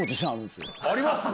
あります？